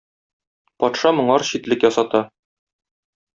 Патша моңар читлек ясата.